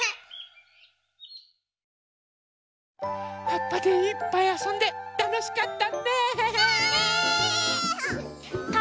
はっぱでいっぱいあそんでたのしかったね！ね！